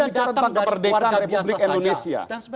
dia datang dari luarga biasa saja